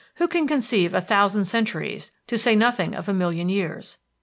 Who can conceive a thousand centuries, to say nothing of a million years?